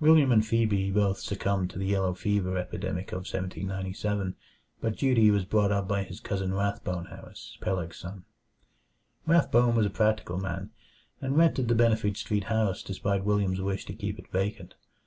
William and Phebe both succumbed to the yellow fever epidemic of 1797, but Dutee was brought up by his cousin Rathbone Harris, Peleg's son. Rathbone was a practical man, and rented the Benefit Street house despite William's wish to keep it vacant.